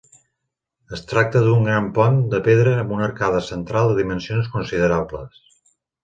Es tracta d'un gran pont de pedra amb una arcada central de dimensions considerables.